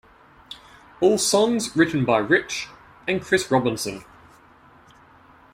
All songs written by Rich and Chris Robinson.